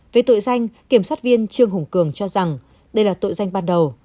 về tội danh kiểm soát viên trương hùng cường cho rằng đây là tội danh ban đầu